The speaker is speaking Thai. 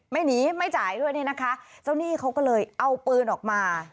ไม่หนีไม่จ่ายด้วยเนี่ยนะคะเจ้าหนี้เขาก็เลยเอาปืนออกมา